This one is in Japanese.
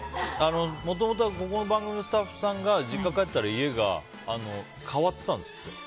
もともとはここの番組のスタッフさんが実家帰ったら家が変わってたんですって。